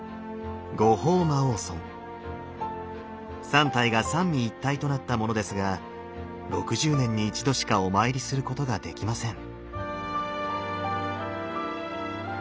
三体が三位一体となったものですが６０年に一度しかお参りすることができません。